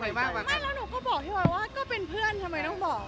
ไม่แล้วหนูก็บอกพี่บอยว่าก็เป็นเพื่อนทำไมต้องบอก